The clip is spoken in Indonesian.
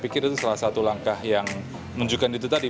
saya pikir itu salah satu langkah yang menunjukkan itu tadi